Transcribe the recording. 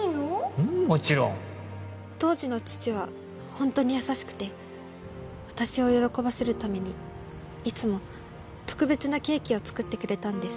うんもちろん当時の父はホントに優しくて私を喜ばせるためにいつも特別なケーキを作ってくれたんです